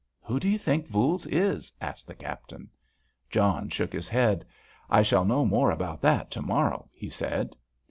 "Who do you think Voules is?" asked the Captain. John shook his head. "I shall know more about that to morrow," he said.